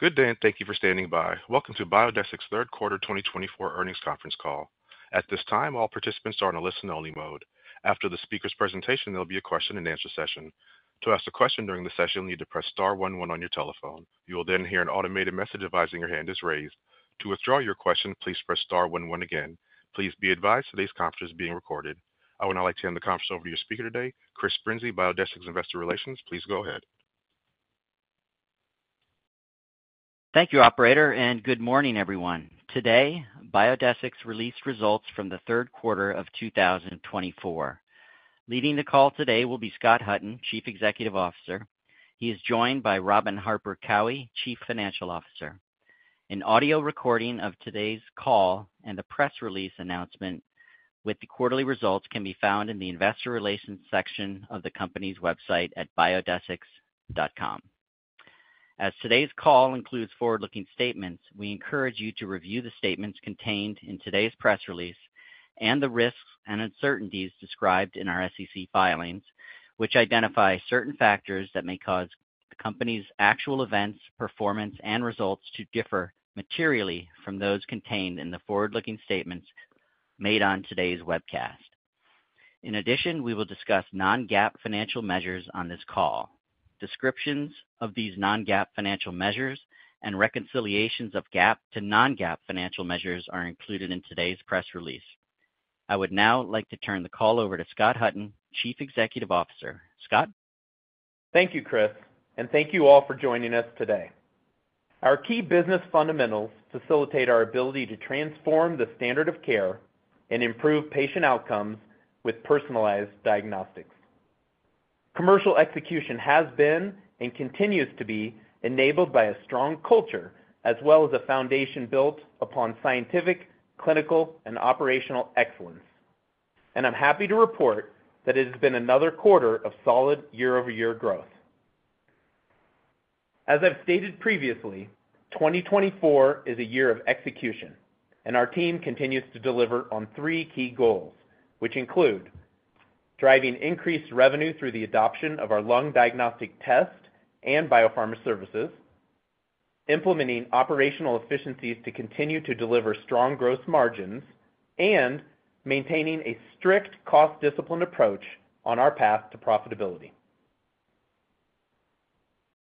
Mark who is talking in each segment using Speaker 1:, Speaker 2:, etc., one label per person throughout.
Speaker 1: Good day, and thank you for standing by. Welcome to Biodesix Third Quarter 2024 Earnings Conference Call. At this time, all participants are on a listen-only mode. After the speaker's presentation, there'll be a question-and-answer session. To ask a question during the session, you need to press star one one on your telephone. You will then hear an automated message advising your hand is raised. To withdraw your question, please press star one one again. Please be advised today's conference is being recorded. I would now like to hand the conference over to your speaker today, Chris Brinzey, Biodesix Investor Relations. Please go ahead.
Speaker 2: Thank you, Operator, and good morning, everyone. Today, Biodesix released results from the third quarter of 2024. Leading the call today will be Scott Hutton, Chief Executive Officer. He is joined by Robin Harper Cowie, Chief Financial Officer. An audio recording of today's call and the press release announcement with the quarterly results can be found in the Investor Relations section of the company's website at biodesix.com. As today's call includes forward-looking statements, we encourage you to review the statements contained in today's press release and the risks and uncertainties described in our SEC filings, which identify certain factors that may cause the company's actual events, performance, and results to differ materially from those contained in the forward-looking statements made on today's webcast. In addition, we will discuss non-GAAP financial measures on this call. Descriptions of these non-GAAP financial measures and reconciliations of GAAP to non-GAAP financial measures are included in today's press release. I would now like to turn the call over to Scott Hutton, Chief Executive Officer, Scott.
Speaker 3: Thank you, Chris, and thank you all for joining us today. Our key business fundamentals facilitate our ability to transform the standard of care and improve patient outcomes with personalized diagnostics. Commercial execution has been and continues to be enabled by a strong culture as well as a foundation built upon scientific, clinical, and operational excellence, and I'm happy to report that it has been another quarter of solid year-over-year growth. As I've stated previously, 2024 is a year of execution, and our team continues to deliver on three key goals, which include driving increased revenue through the adoption of our lung diagnostic test and biopharma services, implementing operational efficiencies to continue to deliver strong gross margins, and maintaining a strict cost-discipline approach on our path to profitability.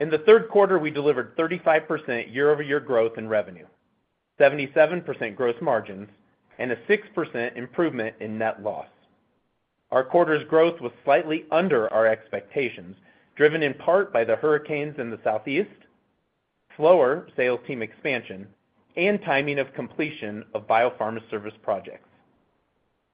Speaker 3: In the third quarter, we delivered 35% year-over-year growth in revenue, 77% gross margins, and a 6% improvement in net loss. Our quarter's growth was slightly under our expectations, driven in part by the hurricanes in the Southeast, slower sales team expansion, and timing of completion of biopharma service projects.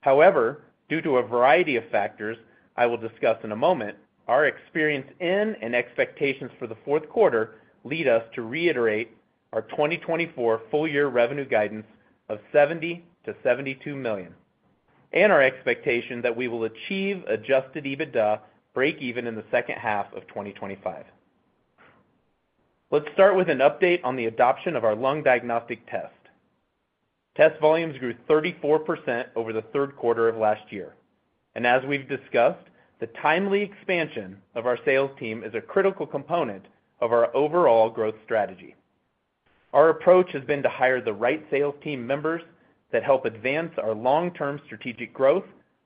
Speaker 3: However, due to a variety of factors I will discuss in a moment, our experience in and expectations for the fourth quarter lead us to reiterate our 2024 full-year revenue guidance of $70-$72 million and our expectation that we will achieve adjusted EBITDA break-even in the second half of 2025. Let's start with an update on the adoption of our lung diagnostic test. Test volumes grew 34% over the third quarter of last year, and as we've discussed, the timely expansion of our sales team is a critical component of our overall growth strategy. Our approach has been to hire the right sales team members that help advance our long-term strategic growth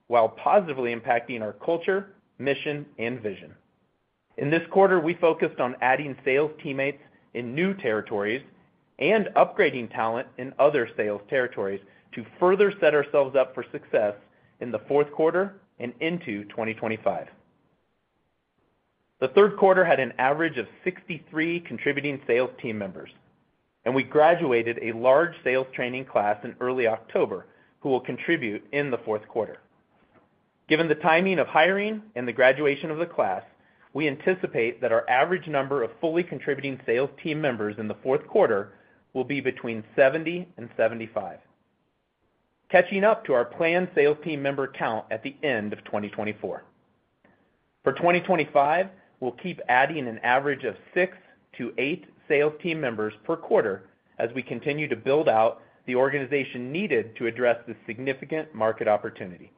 Speaker 3: while positively impacting our culture, mission, and vision. In this quarter, we focused on adding sales teammates in new territories and upgrading talent in other sales territories to further set ourselves up for success in the fourth quarter and into 2025. The third quarter had an average of 63 contributing sales team members, and we graduated a large sales training class in early October who will contribute in the fourth quarter. Given the timing of hiring and the graduation of the class, we anticipate that our average number of fully contributing sales team members in the fourth quarter will be between 70 and 75, catching up to our planned sales team member count at the end of 2024. For 2025, we'll keep adding an average of six to eight sales team members per quarter as we continue to build out the organization needed to address the significant market opportunity.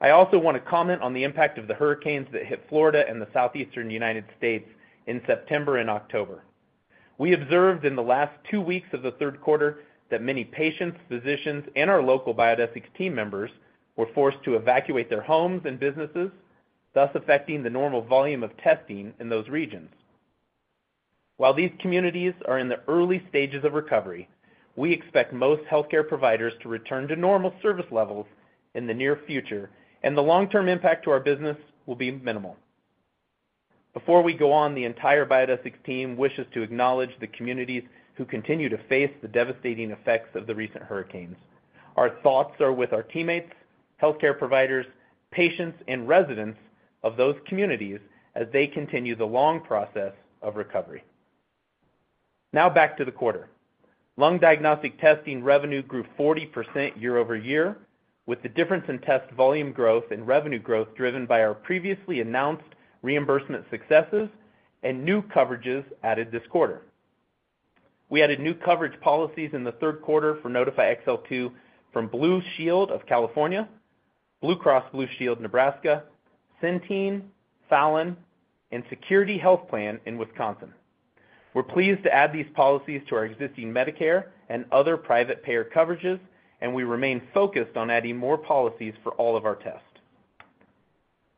Speaker 3: I also want to comment on the impact of the hurricanes that hit Florida and the Southeastern United States in September and October. We observed in the last two weeks of the third quarter that many patients, physicians, and our local Biodesix team members were forced to evacuate their homes and businesses, thus affecting the normal volume of testing in those regions. While these communities are in the early stages of recovery, we expect most healthcare providers to return to normal service levels in the near future, and the long-term impact to our business will be minimal. Before we go on, the entire Biodesix team wishes to acknowledge the communities who continue to face the devastating effects of the recent hurricanes. Our thoughts are with our teammates, healthcare providers, patients, and residents of those communities as they continue the long process of recovery. Now back to the quarter, lung diagnostic testing revenue grew 40% year-over-year, with the difference in test volume growth and revenue growth driven by our previously announced reimbursement successes and new coverages added this quarter. We added new coverage policies in the third quarter for Nodify XL2 from Blue Shield of California, Blue Cross Blue Shield of Nebraska, Centene, Fallon, and Security Health Plan in Wisconsin. We're pleased to add these policies to our existing Medicare and other private payer coverages, and we remain focused on adding more policies for all of our tests.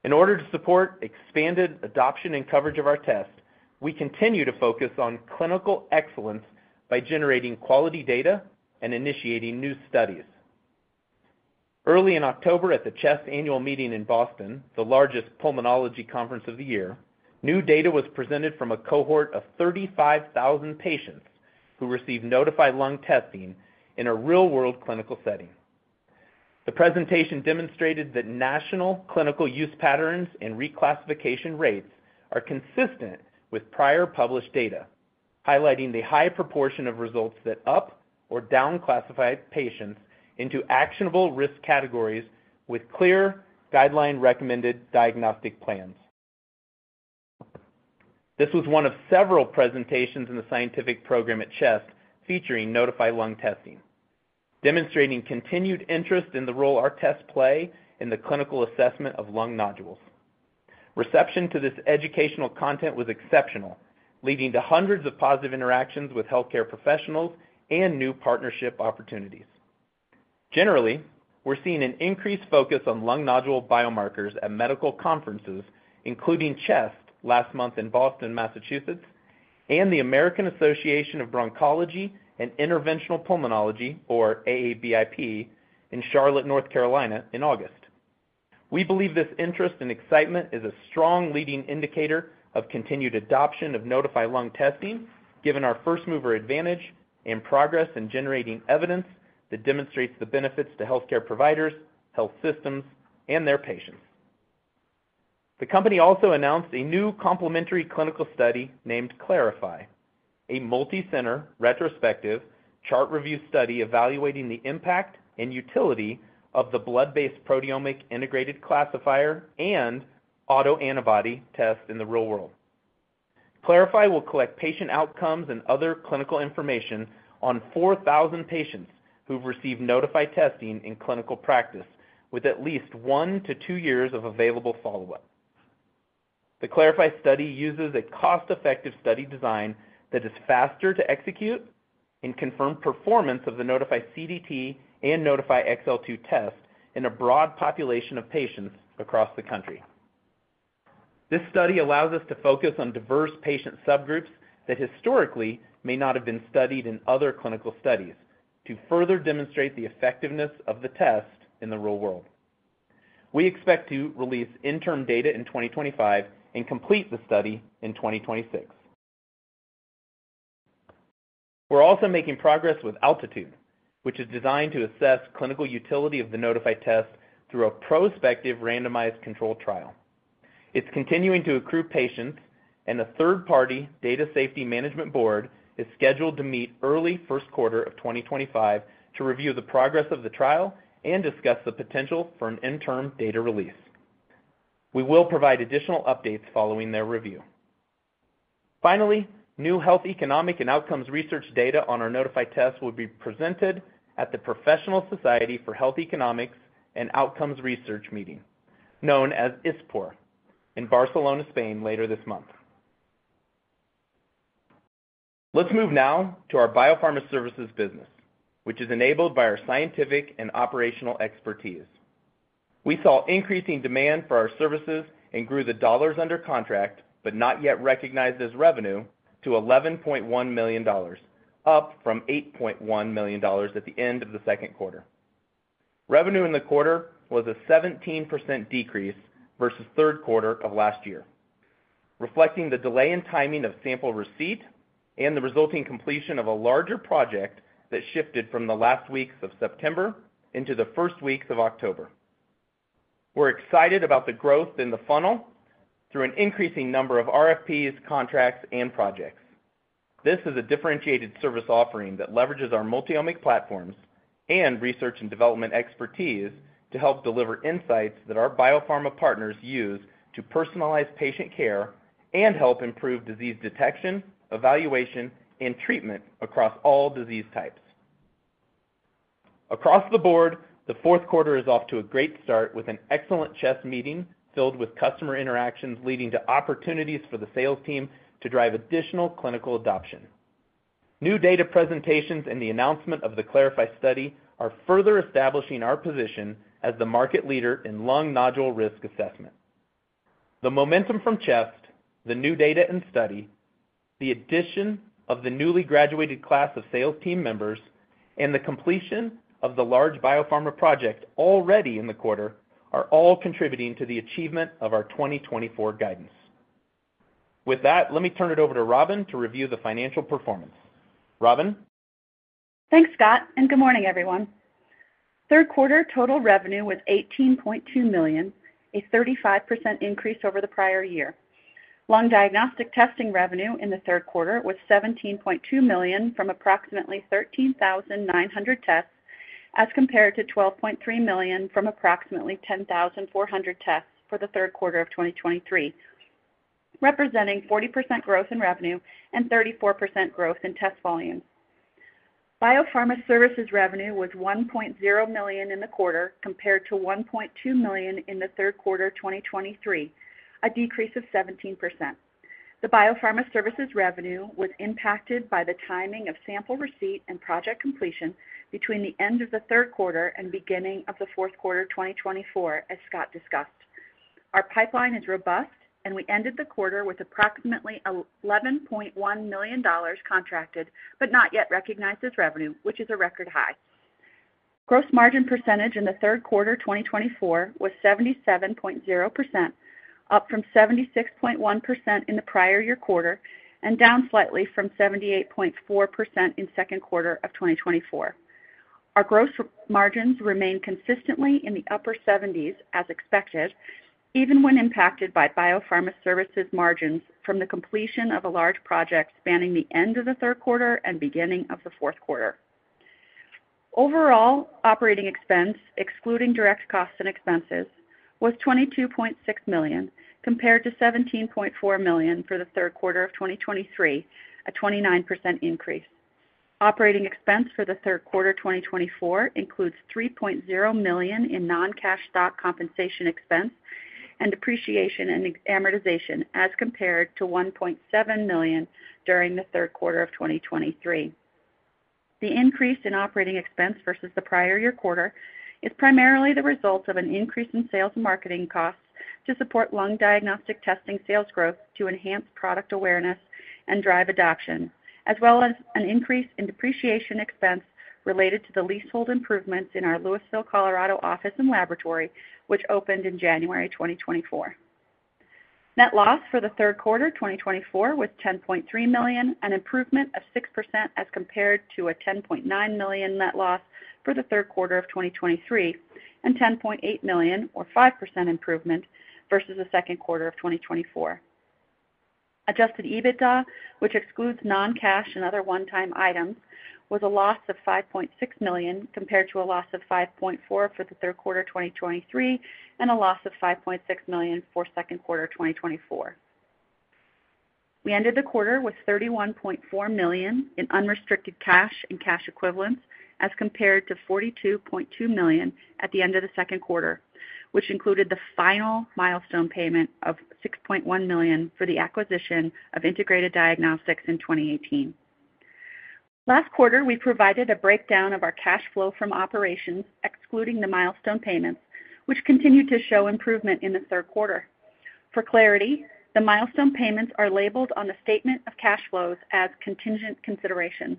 Speaker 3: In order to support expanded adoption and coverage of our tests, we continue to focus on clinical excellence by generating quality data and initiating new studies. Early in October, at the CHEST annual meeting in Boston, the largest pulmonology conference of the year, new data was presented from a cohort of 35,000 patients who received Nodify lung testing in a real-world clinical setting. The presentation demonstrated that national clinical use patterns and reclassification rates are consistent with prior published data, highlighting the high proportion of results that up or down-classify patients into actionable risk categories with clear guideline-recommended diagnostic plans. This was one of several presentations in the scientific program at CHEST featuring Nodify lung testing, demonstrating continued interest in the role our tests play in the clinical assessment of lung nodules. Reception to this educational content was exceptional, leading to hundreds of positive interactions with healthcare professionals and new partnership opportunities. Generally, we're seeing an increased focus on lung nodule biomarkers at medical conferences, including CHEST last month in Boston, Massachusetts, and the American Association of Bronchology and Interventional Pulmonology, or AABIP, in Charlotte, North Carolina, in August. We believe this interest and excitement is a strong leading indicator of continued adoption of Nodify lung testing, given our first-mover advantage and progress in generating evidence that demonstrates the benefits to healthcare providers, health systems, and their patients. The company also announced a new complementary clinical study named CLARIFY, a multi-center retrospective chart review study evaluating the impact and utility of the blood-based proteomic integrated classifier and autoantibody test in the real world. CLARIFY will collect patient outcomes and other clinical information on 4,000 patients who've received Nodify testing in clinical practice with at least one to two years of available follow-up. The CLARIFY study uses a cost-effective study design that is faster to execute and confirm performance of the Nodify CDT and Nodify XL2 test in a broad population of patients across the country. This study allows us to focus on diverse patient subgroups that historically may not have been studied in other clinical studies to further demonstrate the effectiveness of the test in the real world. We expect to release interim data in 2025 and complete the study in 2026. We're also making progress with ALTITUDE, which is designed to assess clinical utility of the Nodify test through a prospective randomized control trial. It's continuing to accrue patients, and a third-party data safety management board is scheduled to meet early first quarter of 2025 to review the progress of the trial and discuss the potential for an interim data release. We will provide additional updates following their review. Finally, new health economic and outcomes research data on our Nodify test will be presented at the Professional Society for Health Economics and Outcomes Research meeting, known as ISPOR, in Barcelona, Spain, later this month. Let's move now to our biopharma services business, which is enabled by our scientific and operational expertise. We saw increasing demand for our services and grew the dollars under contract, but not yet recognized as revenue, to $11.1 million, up from $8.1 million at the end of the second quarter. Revenue in the quarter was a 17% decrease versus third quarter of last year, reflecting the delay in timing of sample receipt and the resulting completion of a larger project that shifted from the last weeks of September into the first weeks of October. We're excited about the growth in the funnel through an increasing number of RFPs, contracts, and projects. This is a differentiated service offering that leverages our multi-omic platforms and research and development expertise to help deliver insights that our biopharma partners use to personalize patient care and help improve disease detection, evaluation, and treatment across all disease types. Across the board, the fourth quarter is off to a great start with an excellent CHEST meeting filled with customer interactions leading to opportunities for the sales team to drive additional clinical adoption. New data presentations and the announcement of the CLARIFY study are further establishing our position as the market leader in lung nodule risk assessment. The momentum from CHEST, the new data and study, the addition of the newly graduated class of sales team members, and the completion of the large biopharma project already in the quarter are all contributing to the achievement of our 2024 guidance. With that, let me turn it over to Robin to review the financial performance. Robin.
Speaker 4: Thanks, Scott, and good morning, everyone. Third quarter total revenue was $18.2 million, a 35% increase over the prior year. Lung diagnostic testing revenue in the third quarter was $17.2 million from approximately 13,900 tests as compared to $12.3 million from approximately 10,400 tests for the third quarter of 2023, representing 40% growth in revenue and 34% growth in test volume. Biopharma services revenue was $1.0 million in the quarter compared to $1.2 million in the third quarter of 2023, a decrease of 17%. The biopharma services revenue was impacted by the timing of sample receipt and project completion between the end of the third quarter and beginning of the fourth quarter of 2024, as Scott discussed. Our pipeline is robust, and we ended the quarter with approximately $11.1 million contracted, but not yet recognized as revenue, which is a record high. Gross margin percentage in the third quarter of 2024 was 77.0%, up from 76.1% in the prior year quarter and down slightly from 78.4% in second quarter of 2024. Our gross margins remain consistently in the upper 70s, as expected, even when impacted by biopharma services margins from the completion of a large project spanning the end of the third quarter and beginning of the fourth quarter. Overall operating expense, excluding direct costs and expenses, was $22.6 million compared to $17.4 million for the third quarter of 2023, a 29% increase. Operating expense for the third quarter of 2024 includes $3.0 million in non-cash stock compensation expense and depreciation and amortization as compared to $1.7 million during the third quarter of 2023. The increase in operating expense versus the prior year quarter is primarily the result of an increase in sales and marketing costs to support lung diagnostic testing sales growth to enhance product awareness and drive adoption, as well as an increase in depreciation expense related to the leasehold improvements in our Louisville, Colorado office and laboratory, which opened in January 2024. Net loss for the third quarter of 2024 was $10.3 million, an improvement of 6% as compared to a $10.9 million net loss for the third quarter of 2023 and $10.8 million, or 5% improvement, versus the second quarter of 2024. Adjusted EBITDA, which excludes non-cash and other one-time items, was a loss of $5.6 million compared to a loss of $5.4 million for the third quarter of 2023 and a loss of $5.6 million for second quarter of 2024. We ended the quarter with $31.4 million in unrestricted cash and cash equivalents as compared to $42.2 million at the end of the second quarter, which included the final milestone payment of $6.1 million for the acquisition of Integrated Diagnostics in 2018. Last quarter, we provided a breakdown of our cash flow from operations, excluding the milestone payments, which continued to show improvement in the third quarter. For clarity, the milestone payments are labeled on the statement of cash flows as contingent consideration.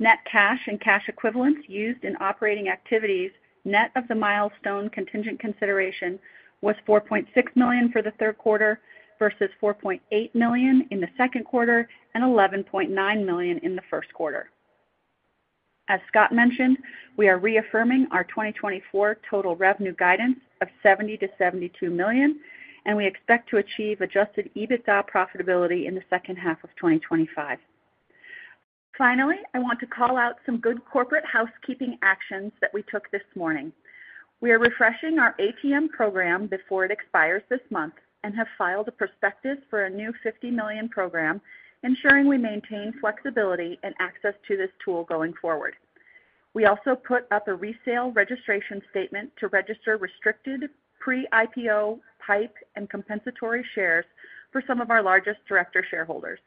Speaker 4: Net cash and cash equivalents used in operating activities, net of the milestone contingent consideration, was $4.6 million for the third quarter versus $4.8 million in the second quarter and $11.9 million in the first quarter. As Scott mentioned, we are reaffirming our 2024 total revenue guidance of $70 million-$72 million, and we expect to achieve adjusted EBITDA profitability in the second half of 2025. Finally, I want to call out some good corporate housekeeping actions that we took this morning. We are refreshing our ATM program before it expires this month and have filed a prospectus for a new $50 million program, ensuring we maintain flexibility and access to this tool going forward. We also put up a resale registration statement to register restricted pre-IPO PIPE and compensatory shares for some of our largest director shareholders.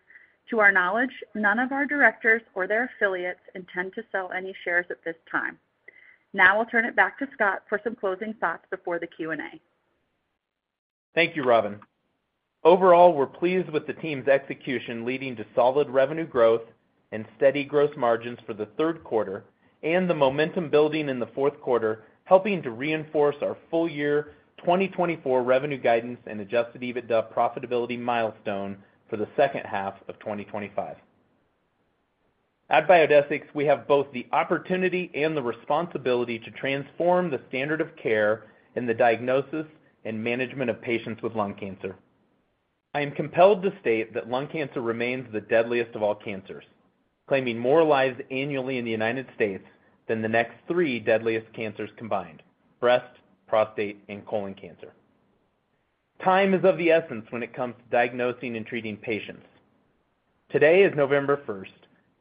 Speaker 4: To our knowledge, none of our directors or their affiliates intend to sell any shares at this time. Now I'll turn it back to Scott for some closing thoughts before the Q&A.
Speaker 3: Thank you, Robin. Overall, we're pleased with the team's execution leading to solid revenue growth and steady gross margins for the third quarter and the momentum building in the fourth quarter, helping to reinforce our full year 2024 revenue guidance and adjusted EBITDA profitability milestone for the second half of 2025. At Biodesix, we have both the opportunity and the responsibility to transform the standard of care in the diagnosis and management of patients with lung cancer. I am compelled to state that lung cancer remains the deadliest of all cancers, claiming more lives annually in the United States than the next three deadliest cancers combined: breast, prostate, and colon cancer. Time is of the essence when it comes to diagnosing and treating patients. Today is November 1st,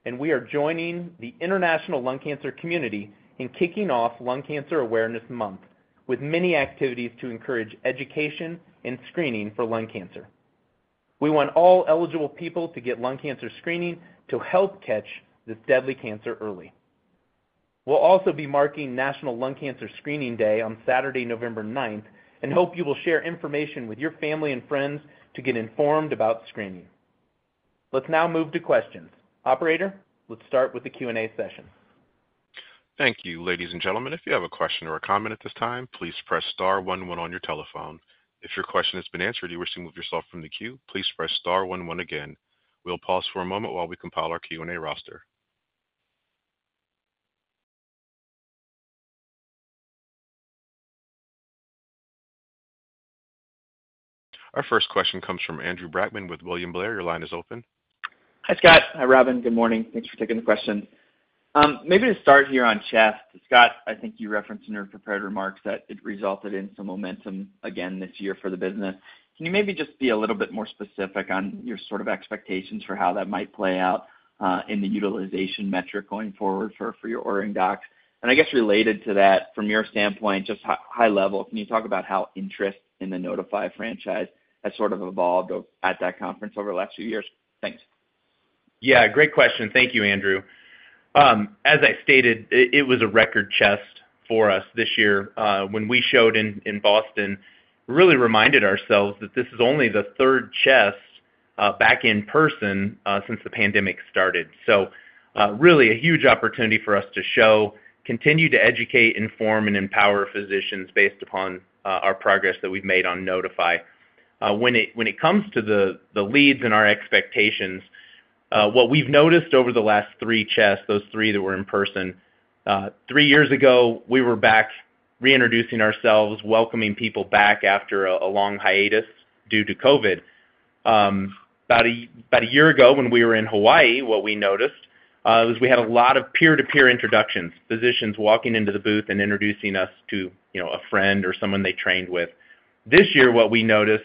Speaker 3: and we are joining the international lung cancer community in kicking off Lung Cancer Awareness Month with many activities to encourage education and screening for lung cancer. We want all eligible people to get lung cancer screening to help catch this deadly cancer early. We'll also be marking National Lung Cancer Screening Day on Saturday, November 9th, and hope you will share information with your family and friends to get informed about screening. Let's now move to questions. Operator, let's start with the Q&A session.
Speaker 1: Thank you, ladies and gentlemen. If you have a question or a comment at this time, please press star one one on your telephone. If your question has been answered and you wish to move yourself from the queue, please press star one one again. We'll pause for a moment while we compile our Q&A roster. Our first question comes from Andrew Brackmann with William Blair. Your line is open.
Speaker 5: Hi, Scott. Hi, Robin. Good morning. Thanks for taking the question. Maybe to start here on CHEST, Scott, I think you referenced in your prepared remarks that it resulted in some momentum again this year for the business. Can you maybe just be a little bit more specific on your sort of expectations for how that might play out in the utilization metric going forward for your ordering docs? And I guess related to that, from your standpoint, just high level, can you talk about how interest in the Nodify franchise has sort of evolved at that conference over the last few years? Thanks.
Speaker 3: Yeah, great question. Thank you, Andrew. As I stated, it was a record CHEST for us this year. When we showed in Boston, we really reminded ourselves that this is only the third CHEST back in person since the pandemic started. So really a huge opportunity for us to show, continue to educate, inform, and empower physicians based upon our progress that we've made on Nodify. When it comes to the leads and our expectations, what we've noticed over the last three CHESTs, those three that were in person, three years ago, we were back reintroducing ourselves, welcoming people back after a long hiatus due to COVID. About a year ago, when we were in Hawaii, what we noticed was we had a lot of peer-to-peer introductions, physicians walking into the booth and introducing us to a friend or someone they trained with. This year, what we noticed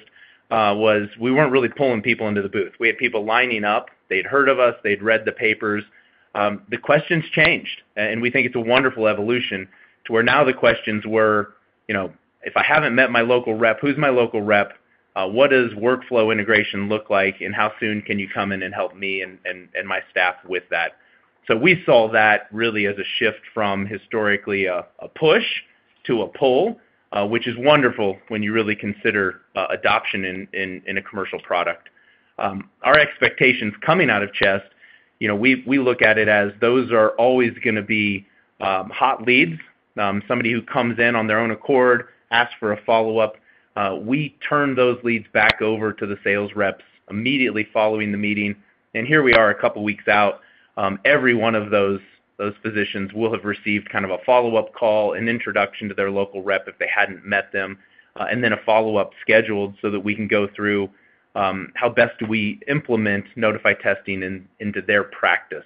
Speaker 3: was we weren't really pulling people into the booth. We had people lining up. They'd heard of us. They'd read the papers. The questions changed, and we think it's a wonderful evolution to where now the questions were, "If I haven't met my local rep, who's my local rep? What does workflow integration look like, and how soon can you come in and help me and my staff with that?" So we saw that really as a shift from historically a push to a pull, which is wonderful when you really consider adoption in a commercial product. Our expectations coming out of CHEST, we look at it as those are always going to be hot leads, somebody who comes in on their own accord, asks for a follow-up. We turn those leads back over to the sales reps immediately following the meeting. Here we are a couple of weeks out. Every one of those physicians will have received kind of a follow-up call, an introduction to their local rep if they hadn't met them, and then a follow-up scheduled so that we can go through how best do we implement Nodify testing into their practice.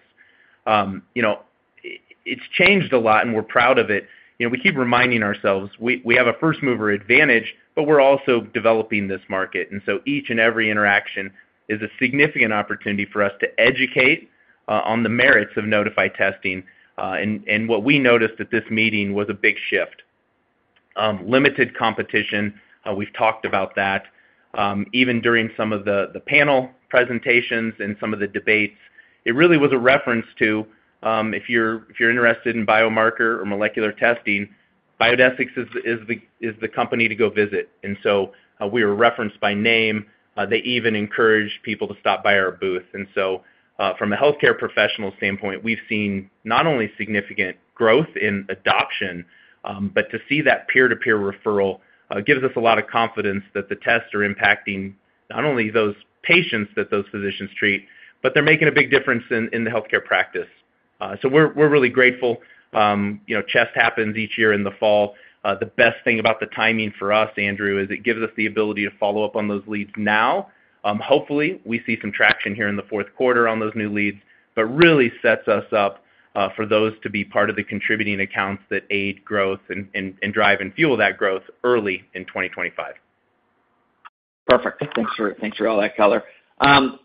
Speaker 3: It's changed a lot, and we're proud of it. We keep reminding ourselves we have a first-mover advantage, but we're also developing this market. So each and every interaction is a significant opportunity for us to educate on the merits of Nodify testing. What we noticed at this meeting was a big shift. Limited competition, we've talked about that. Even during some of the panel presentations and some of the debates, it really was a reference to if you're interested in biomarker or molecular testing, Biodesix is the company to go visit. And so we were referenced by name. They even encouraged people to stop by our booth. And so from a healthcare professional standpoint, we've seen not only significant growth in adoption, but to see that peer-to-peer referral gives us a lot of confidence that the tests are impacting not only those patients that those physicians treat, but they're making a big difference in the healthcare practice. So we're really grateful. CHEST happens each year in the fall. The best thing about the timing for us, Andrew, is it gives us the ability to follow up on those leads now. Hopefully, we see some traction here in the fourth quarter on those new leads, but really sets us up for those to be part of the contributing accounts that aid growth and drive and fuel that growth early in 2025.
Speaker 5: Perfect. Thanks for all that color.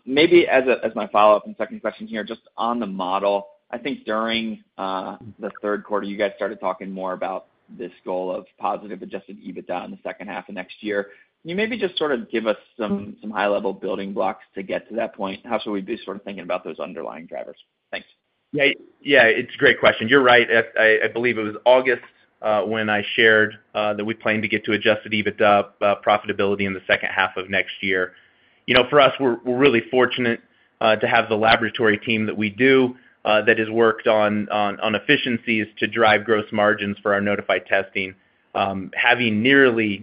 Speaker 5: Maybe as my follow-up and second question here, just on the model, I think during the third quarter, you guys started talking more about this goal of positive adjusted EBITDA in the second half of next year. Can you maybe just sort of give us some high-level building blocks to get to that point? How should we be sort of thinking about those underlying drivers? Thanks.
Speaker 3: Yeah, it's a great question. You're right. I believe it was August when I shared that we plan to get to adjusted EBITDA profitability in the second half of next year. For us, we're really fortunate to have the laboratory team that we do that has worked on efficiencies to drive gross margins for our Nodify testing. Having nearly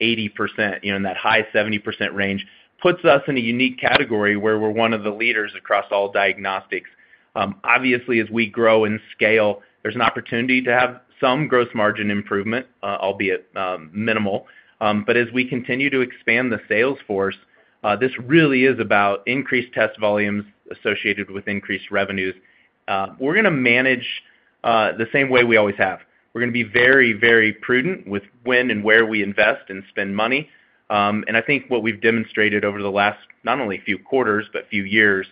Speaker 3: 80% in that high 70% range puts us in a unique category where we're one of the leaders across all diagnostics. Obviously, as we grow and scale, there's an opportunity to have some gross margin improvement, albeit minimal. But as we continue to expand the sales force, this really is about increased test volumes associated with increased revenues. We're going to manage the same way we always have. We're going to be very, very prudent with when and where we invest and spend money. I think what we've demonstrated over the last not only few quarters, but few years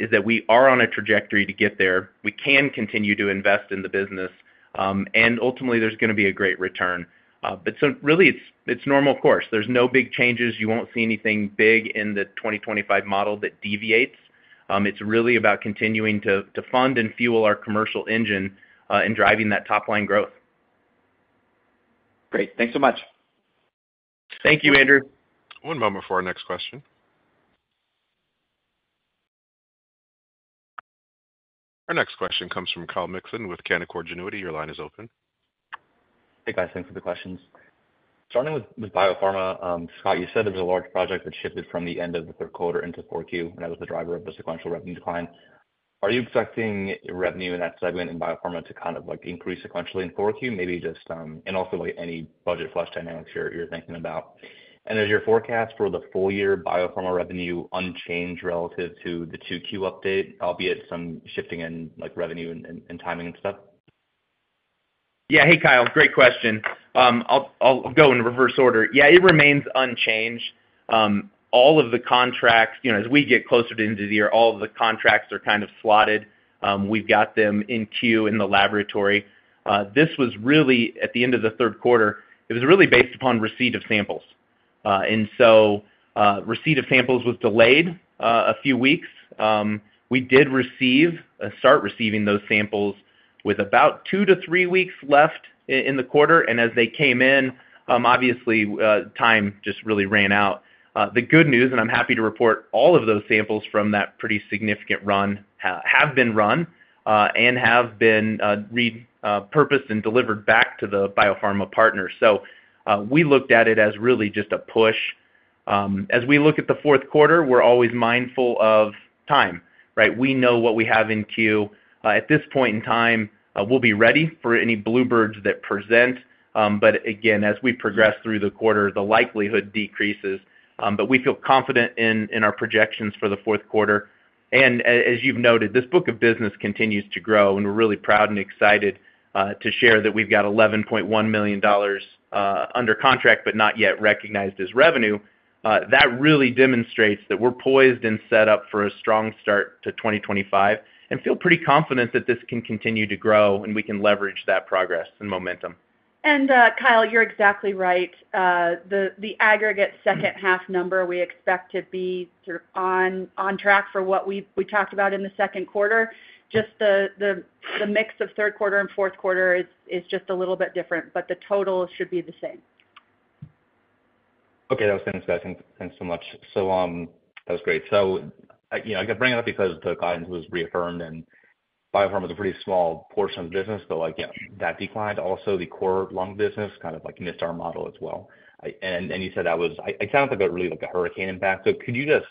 Speaker 3: is that we are on a trajectory to get there. We can continue to invest in the business, and ultimately, there's going to be a great return. But really, it's normal course. There's no big changes. You won't see anything big in the 2025 model that deviates. It's really about continuing to fund and fuel our commercial engine and driving that top-line growth.
Speaker 5: Great. Thanks so much.
Speaker 3: Thank you, Andrew.
Speaker 1: One moment for our next question. Our next question comes from Kyle Mikson with Canaccord Genuity. Your line is open.
Speaker 6: Hey, guys. Thanks for the questions. Starting with biopharma, Scott, you said it was a large project that shifted from the end of the third quarter into 4Q, and that was the driver of the sequential revenue decline. Are you expecting revenue in that segment in biopharma to kind of increase sequentially in 4Q? Maybe just, and also any budget flush dynamics you're thinking about. And is your forecast for the full year biopharma revenue unchanged relative to the 2Q update, albeit some shifting in revenue and timing and stuff?
Speaker 3: Yeah. Hey, Kyle. Great question. I'll go in reverse order. Yeah, it remains unchanged. All of the contracts, as we get closer to the end of the year, all of the contracts are kind of slotted. We've got them in queue in the laboratory. This was really, at the end of the third quarter, it was really based upon receipt of samples. And so receipt of samples was delayed a few weeks. We did start receiving those samples with about two to three weeks left in the quarter. And as they came in, obviously, time just really ran out. The good news, and I'm happy to report, all of those samples from that pretty significant run have been run and have been repurposed and delivered back to the biopharma partner. So we looked at it as really just a push. As we look at the fourth quarter, we're always mindful of time, right? We know what we have in queue. At this point in time, we'll be ready for any bluebirds that present. But again, as we progress through the quarter, the likelihood decreases. But we feel confident in our projections for the fourth quarter. And as you've noted, this book of business continues to grow, and we're really proud and excited to share that we've got $11.1 million under contract, but not yet recognized as revenue. That really demonstrates that we're poised and set up for a strong start to 2025 and feel pretty confident that this can continue to grow and we can leverage that progress and momentum.
Speaker 4: Kyle, you're exactly right. The aggregate second half number we expect to be sort of on track for what we talked about in the second quarter. Just the mix of third quarter and fourth quarter is just a little bit different, but the total should be the same.
Speaker 6: Okay. That was fantastic. Thanks so much. So that was great. So I got to bring it up because the guidance was reaffirmed, and biopharma is a pretty small portion of the business, but that declined. Also, the core lung business kind of missed our model as well. And you said that was, it sounds like it really was like a hurricane impact. So could you just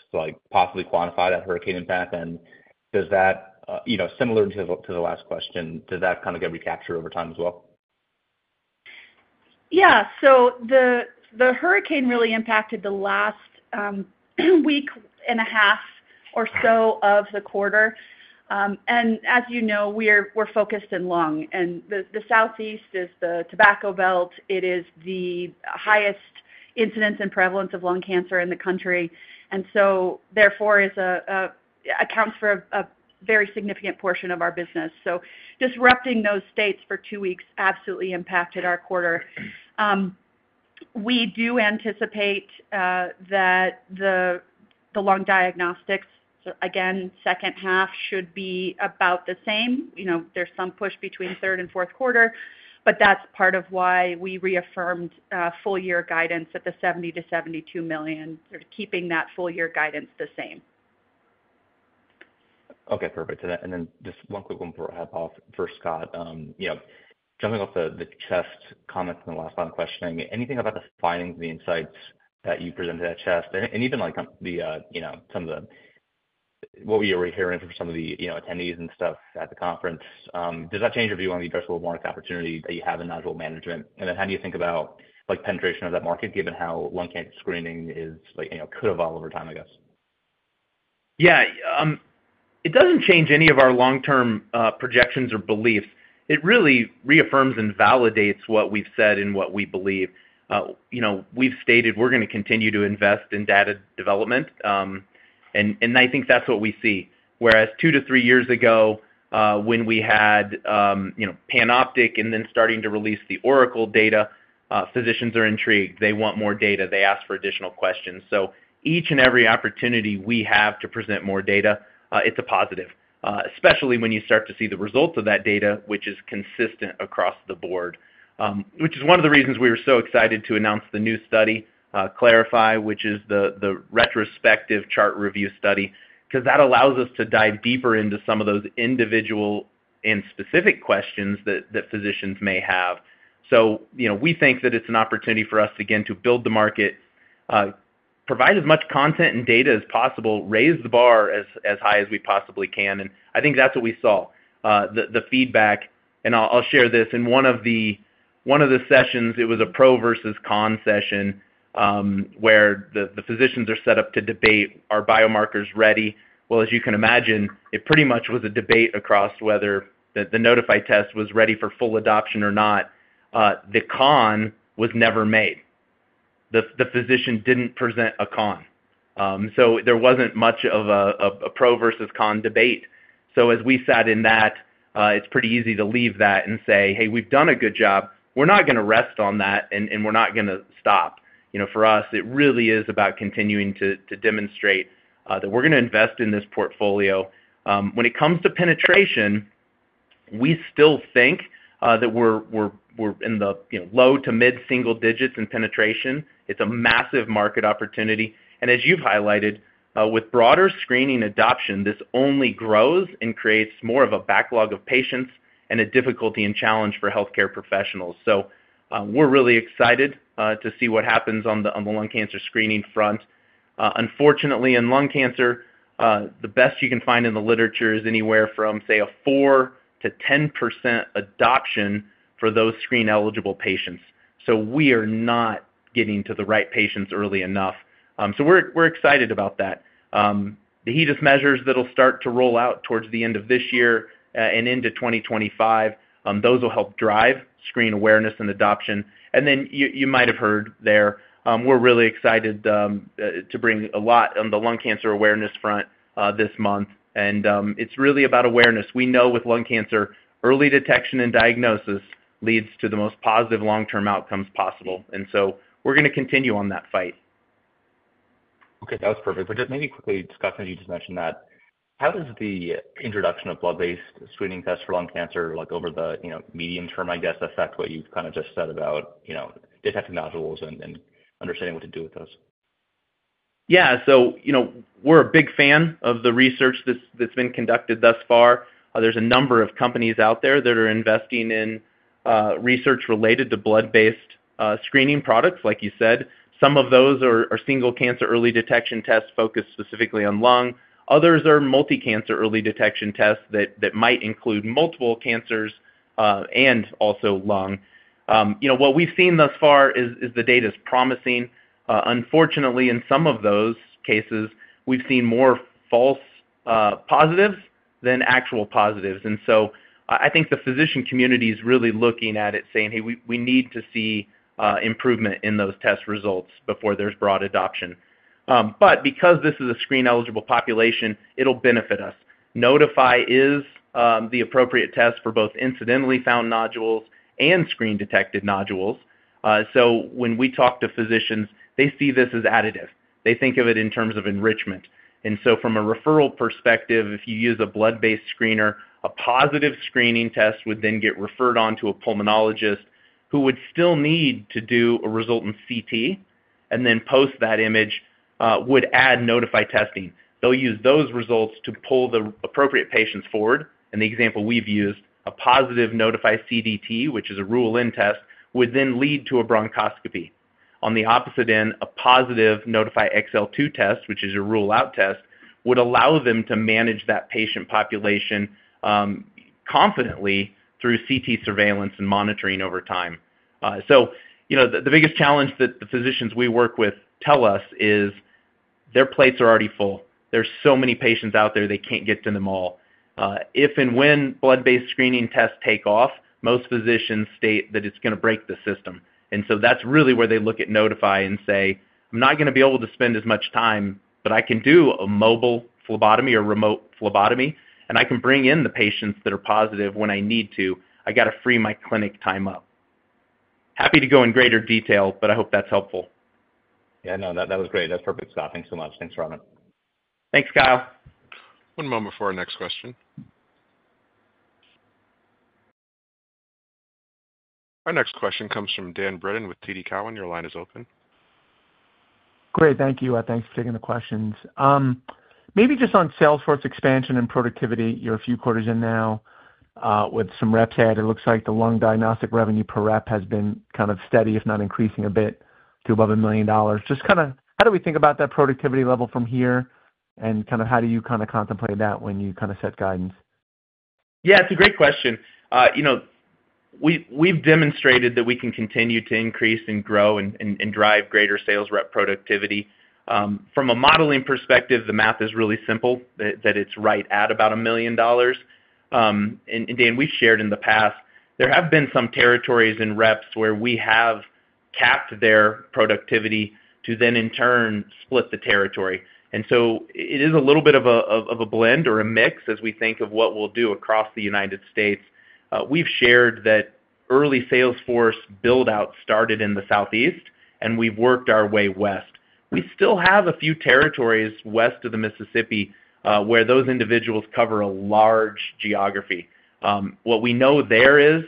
Speaker 6: possibly quantify that hurricane impact? And similar to the last question, did that kind of get recaptured over time as well?
Speaker 4: Yeah. So the hurricane really impacted the last week and a half or so of the quarter. And as you know, we're focused in lung. And the Southeast is the tobacco belt. It is the highest incidence and prevalence of lung cancer in the country. And so therefore, it accounts for a very significant portion of our business. So disrupting those states for two weeks absolutely impacted our quarter. We do anticipate that the lung diagnostics, again, second half should be about the same. There's some push between third and fourth quarter, but that's part of why we reaffirmed full year guidance at the $70 million-$72 million, keeping that full year guidance the same.
Speaker 6: Okay. Perfect. And then just one quick one before I hop off. First, Scott, jumping off the CHEST comments and the last line of questioning, anything about the findings and the insights that you presented at CHEST? And even some of the what we were hearing from some of the attendees and stuff at the conference, did that change your view on the addressable market opportunity that you have in nodule management? And then how do you think about penetration of that market given how lung cancer screening could evolve over time, I guess?
Speaker 3: Yeah. It doesn't change any of our long-term projections or beliefs. It really reaffirms and validates what we've said and what we believe. We've stated we're going to continue to invest in data development, and I think that's what we see. Whereas two to three years ago, when we had PANOPTIC and then starting to release the ORACLE data, physicians are intrigued. They want more data. They ask for additional questions. So each and every opportunity we have to present more data, it's a positive, especially when you start to see the results of that data, which is consistent across the board, which is one of the reasons we were so excited to announce the new study, CLARIFY, which is the retrospective chart review study, because that allows us to dive deeper into some of those individual and specific questions that physicians may have. So we think that it's an opportunity for us, again, to build the market, provide as much content and data as possible, raise the bar as high as we possibly can. And I think that's what we saw, the feedback. And I'll share this. In one of the sessions, it was a pro versus con session where the physicians are set up to debate, "Are biomarkers ready?" Well, as you can imagine, it pretty much was a debate across whether the Nodify test was ready for full adoption or not. The con was never made. The physician didn't present a con. So there wasn't much of a pro versus con debate. So as we sat in that, it's pretty easy to leave that and say, "Hey, we've done a good job. We're not going to rest on that, and we're not going to stop." For us, it really is about continuing to demonstrate that we're going to invest in this portfolio. When it comes to penetration, we still think that we're in the low to mid-single digits in penetration. It's a massive market opportunity, and as you've highlighted, with broader screening adoption, this only grows and creates more of a backlog of patients and a difficulty and challenge for healthcare professionals, so we're really excited to see what happens on the lung cancer screening front. Unfortunately, in lung cancer, the best you can find in the literature is anywhere from, say, 4%-10% adoption for those screen-eligible patients, so we are not getting to the right patients early enough, so we're excited about that. The HEDIS measures that will start to roll out towards the end of this year and into 2025, those will help drive screen awareness and adoption. And then you might have heard there, we're really excited to bring a lot on the lung cancer awareness front this month. And it's really about awareness. We know with lung cancer, early detection and diagnosis leads to the most positive long-term outcomes possible. And so we're going to continue on that fight.
Speaker 6: Okay. That was perfect. But just maybe quickly discussing, as you just mentioned that, how does the introduction of blood-based screening tests for lung cancer over the medium term, I guess, affect what you've kind of just said about detecting nodules and understanding what to do with those?
Speaker 3: Yeah. So we're a big fan of the research that's been conducted thus far. There's a number of companies out there that are investing in research related to blood-based screening products, like you said. Some of those are single cancer early detection tests focused specifically on lung. Others are multi-cancer early detection tests that might include multiple cancers and also lung. What we've seen thus far is the data is promising. Unfortunately, in some of those cases, we've seen more false positives than actual positives. And so I think the physician community is really looking at it saying, "Hey, we need to see improvement in those test results before there's broad adoption." But because this is a screen-eligible population, it'll benefit us. Nodify is the appropriate test for both incidentally found nodules and screen-detected nodules. So when we talk to physicians, they see this as additive. They think of it in terms of enrichment, and so from a referral perspective, if you use a blood-based screener, a positive screening test would then get referred on to a pulmonologist who would still need to do a resultant CT, and then post that image would add Nodify testing. They'll use those results to pull the appropriate patients forward, and the example we've used, a positive Nodify CDT, which is a rule-in test, would then lead to a bronchoscopy. On the opposite end, a positive Nodify XL2 test, which is a rule-out test, would allow them to manage that patient population confidently through CT surveillance and monitoring over time, so the biggest challenge that the physicians we work with tell us is their plates are already full. There's so many patients out there, they can't get to them all. If and when blood-based screening tests take off, most physicians state that it's going to break the system, and so that's really where they look at Nodify and say, "I'm not going to be able to spend as much time, but I can do a mobile phlebotomy or remote phlebotomy, and I can bring in the patients that are positive when I need to. I got to free my clinic time up." Happy to go in greater detail, but I hope that's helpful.
Speaker 6: Yeah. No, that was great. That's perfect, Scott. Thanks so much. Thanks for having us.
Speaker 3: Thanks, Kyle.
Speaker 1: One moment for our next question. Our next question comes from Dan Brennan with TD Cowen. Your line is open.
Speaker 7: Great. Thank you. Thanks for taking the questions. Maybe just on sales force expansion and productivity. You're a few quarters in now with some reps ahead. It looks like the lung diagnostic revenue per rep has been kind of steady, if not increasing a bit to above $1 million. Just kind of how do we think about that productivity level from here? And kind of how do you kind of contemplate that when you kind of set guidance?
Speaker 3: Yeah. It's a great question. We've demonstrated that we can continue to increase and grow and drive greater sales rep productivity. From a modeling perspective, the math is really simple that it's right at about $1 million. And Dan, we've shared in the past, there have been some territories in reps where we have capped their productivity to then in turn split the territory. And so it is a little bit of a blend or a mix as we think of what we'll do across the United States. We've shared that early sales force build-out started in the Southeast, and we've worked our way west. We still have a few territories west of the Mississippi where those individuals cover a large geography. What we know there is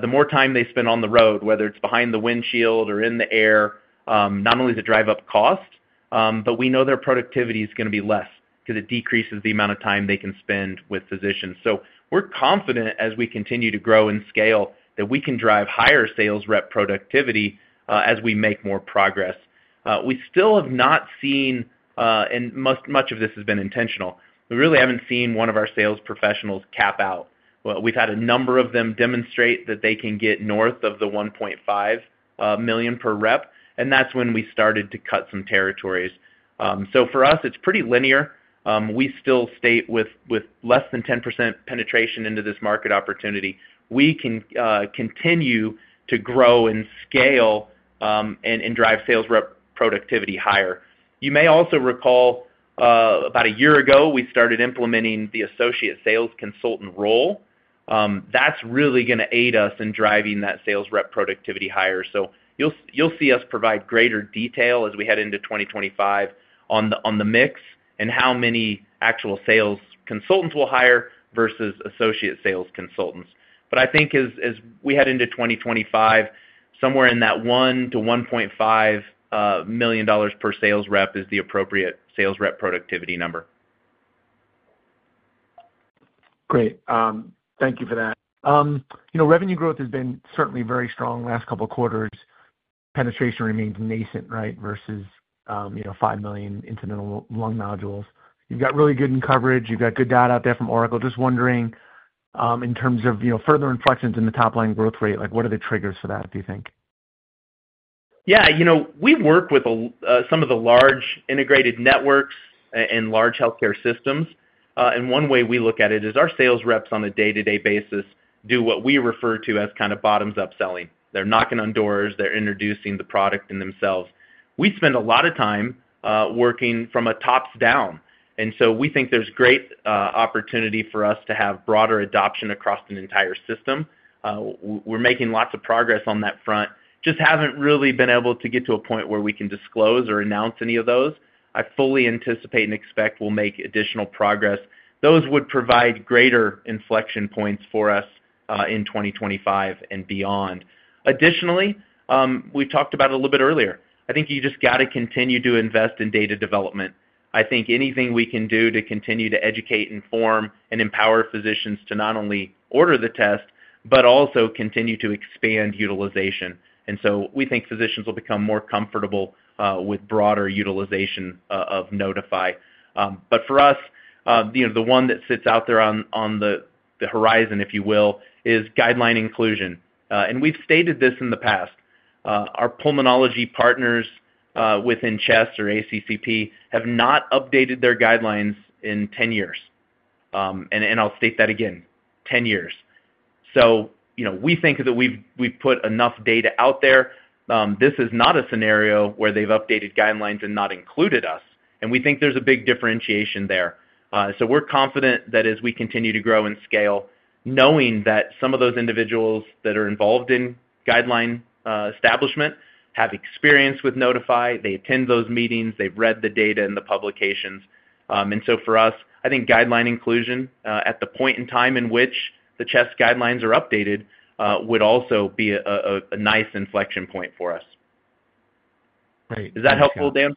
Speaker 3: the more time they spend on the road, whether it's behind the windshield or in the air, not only does it drive up cost, but we know their productivity is going to be less because it decreases the amount of time they can spend with physicians. So we're confident as we continue to grow and scale that we can drive higher sales rep productivity as we make more progress. We still have not seen, and much of this has been intentional. We really haven't seen one of our sales professionals cap out. We've had a number of them demonstrate that they can get north of the 1.5 million per rep, and that's when we started to cut some territories. So for us, it's pretty linear. We still stand with less than 10% penetration into this market opportunity, we can continue to grow and scale and drive sales rep productivity higher. You may also recall about a year ago we started implementing the associate sales consultant role. That's really going to aid us in driving that sales rep productivity higher. So you'll see us provide greater detail as we head into 2025 on the mix and how many actual sales consultants we'll hire versus associate sales consultants. But I think as we head into 2025, somewhere in that $1 million-$1.5 million per sales rep is the appropriate sales rep productivity number.
Speaker 7: Great. Thank you for that. Revenue growth has been certainly very strong last couple of quarters. Penetration remains nascent, right, versus 5 million incidental lung nodules. You've got really good coverage. You've got good data out there from ORACLE. Just wondering in terms of further inflections in the top-line growth rate, what are the triggers for that, do you think?
Speaker 3: Yeah. We work with some of the large integrated networks and large healthcare systems. And one way we look at it is our sales reps on a day-to-day basis do what we refer to as kind of bottoms-up selling. They're knocking on doors. They're introducing the product and themselves. We spend a lot of time working from a top-down. And so we think there's great opportunity for us to have broader adoption across an entire system. We're making lots of progress on that front. Just haven't really been able to get to a point where we can disclose or announce any of those. I fully anticipate and expect we'll make additional progress. Those would provide greater inflection points for us in 2025 and beyond. Additionally, we've talked about it a little bit earlier. I think you just got to continue to invest in data development. I think anything we can do to continue to educate, inform, and empower physicians to not only order the test, but also continue to expand utilization. And so we think physicians will become more comfortable with broader utilization of Nodify. But for us, the one that sits out there on the horizon, if you will, is guideline inclusion. And we've stated this in the past. Our pulmonology partners within CHEST or ACCP have not updated their guidelines in 10 years. And I'll state that again, 10 years. So we think that we've put enough data out there. This is not a scenario where they've updated guidelines and not included us. And we think there's a big differentiation there. So we're confident that as we continue to grow and scale, knowing that some of those individuals that are involved in guideline establishment have experience with Nodify, they attend those meetings, they've read the data and the publications, and so for us, I think guideline inclusion at the point in time in which the CHEST guidelines are updated would also be a nice inflection point for us.
Speaker 7: Great. Thank you.
Speaker 3: Is that helpful, Dan?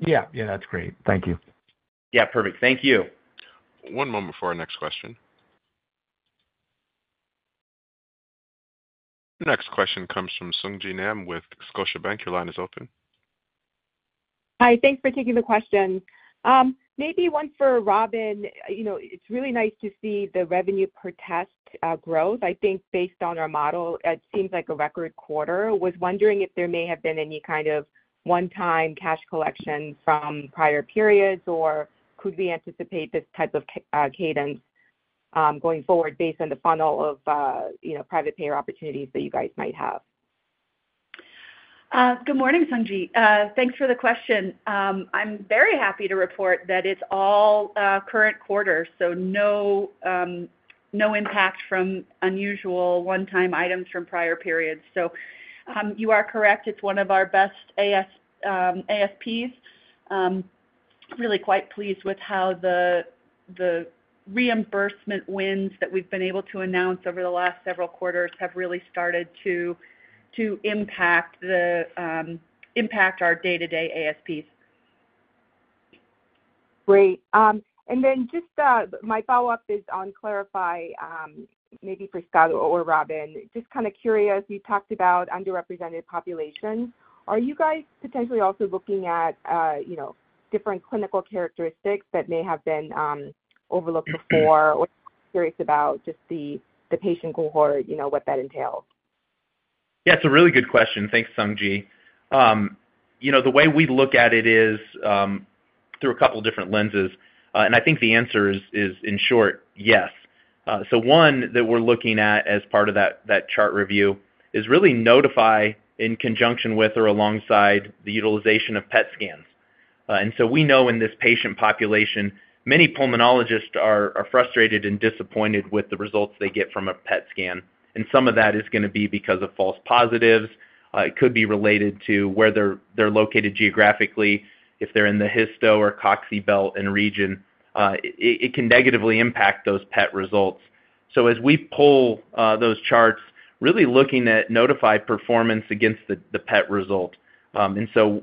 Speaker 7: Yeah. Yeah. That's great. Thank you.
Speaker 3: Yeah. Perfect. Thank you.
Speaker 1: One moment for our next question. Next question comes from Sung Ji Nam with Scotiabank. Your line is open.
Speaker 8: Hi. Thanks for taking the question. Maybe one for Robin. It's really nice to see the revenue per test growth. I think based on our model, it seems like a record quarter. I was wondering if there may have been any kind of one-time cash collection from prior periods, or could we anticipate this type of cadence going forward based on the funnel of private payer opportunities that you guys might have?
Speaker 4: Good morning, Sung Ji. Thanks for the question. I'm very happy to report that it's all current quarters, so no impact from unusual one-time items from prior periods. So you are correct. It's one of our best ASPs. Really quite pleased with how the reimbursement wins that we've been able to announce over the last several quarters have really started to impact our day-to-day ASPs.
Speaker 8: Great. And then just my follow-up is on CLARIFY, maybe for Scott or Robin. Just kind of curious, you talked about underrepresented populations. Are you guys potentially also looking at different clinical characteristics that may have been overlooked before? Or curious about just the patient cohort, what that entails?
Speaker 3: Yeah. It's a really good question. Thanks, Sung Ji. The way we look at it is through a couple of different lenses, and I think the answer is, in short, yes, so one that we're looking at as part of that chart review is really Nodify in conjunction with or alongside the utilization of PET scans, and so we know in this patient population, many pulmonologists are frustrated and disappointed with the results they get from a PET scan, and some of that is going to be because of false positives. It could be related to where they're located geographically, if they're in the Histo or Cocci belt region. It can negatively impact those PET results, so as we pull those charts, really looking at Nodify performance against the PET result, and so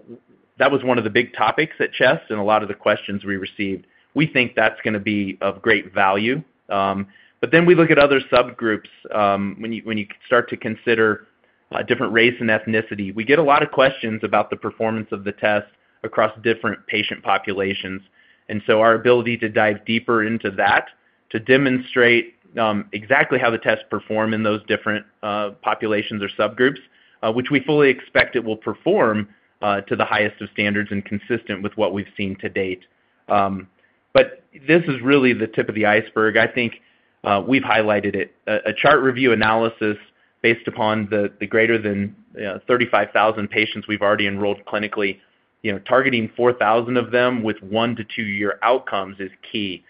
Speaker 3: that was one of the big topics at CHEST and a lot of the questions we received. We think that's going to be of great value. But then we look at other subgroups when you start to consider different race and ethnicity. We get a lot of questions about the performance of the test across different patient populations. And so our ability to dive deeper into that, to demonstrate exactly how the tests perform in those different populations or subgroups, which we fully expect it will perform to the highest of standards and consistent with what we've seen to date. But this is really the tip of the iceberg. I think we've highlighted it. A chart review analysis based upon the greater than 35,000 patients we've already enrolled clinically, targeting 4,000 of them with one- to two-year outcomes is key.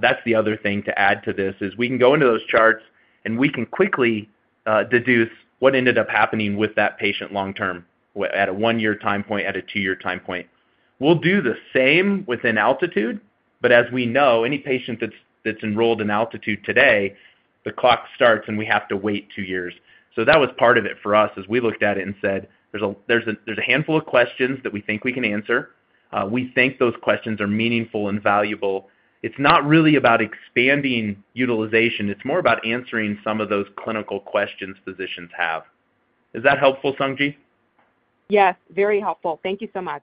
Speaker 3: That's the other thing to add to this is we can go into those charts and we can quickly deduce what ended up happening with that patient long-term at a one-year time point, at a two-year time point. We'll do the same within ALTITUDE, but as we know, any patient that's enrolled in ALTITUDE today, the clock starts and we have to wait two years. So that was part of it for us as we looked at it and said, "There's a handful of questions that we think we can answer. We think those questions are meaningful and valuable." It's not really about expanding utilization. It's more about answering some of those clinical questions physicians have. Is that helpful, Sung Ji?
Speaker 8: Yes. Very helpful. Thank you so much.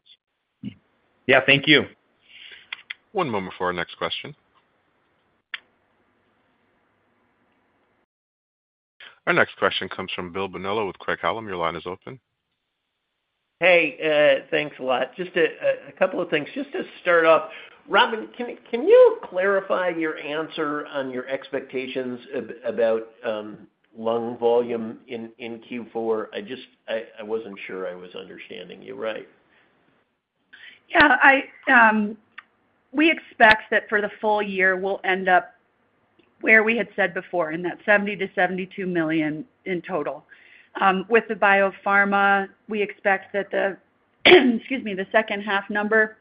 Speaker 3: Yeah. Thank you.
Speaker 1: One moment for our next question. Our next question comes from Bill Bonello with Craig-Hallum. Your line is open.
Speaker 9: Hey. Thanks a lot. Just a couple of things. Just to start off, Robin, can you CLARIFY your answer on your expectations about lung volume in Q4? I wasn't sure I was understanding you right.
Speaker 4: Yeah. We expect that for the full year, we'll end up where we had said before in that $70 million-$72 million in total. With the biopharma, we expect that the, excuse me, the second-half number